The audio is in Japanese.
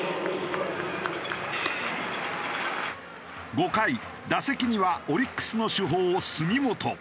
５回打席にはオリックスの主砲杉本。